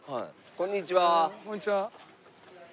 こんにちは。